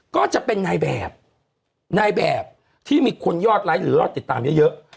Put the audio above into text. ก็จะเป็นนายแบบนายแบบที่มีคนยอดไลค์หรือรอดติดตามเยอะ